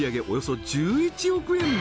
およそ１１億円